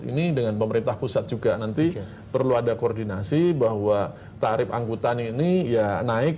ini dengan pemerintah pusat juga nanti perlu ada koordinasi bahwa tarif angkutan ini ya naik